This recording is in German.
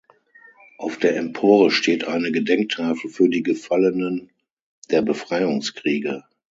Auf der Empore steht eine Gedenktafel für die Gefallenen der Befreiungskriege.